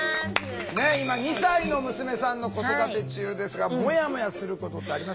ねえ今２歳の娘さんの子育て中ですがもやもやすることってありますか？